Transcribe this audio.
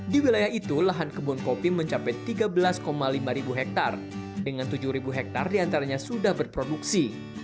di wilayah itu lahan kebun kopi mencapai tiga belas lima hektare dengan tujuh hektare diantaranya sudah berproduksi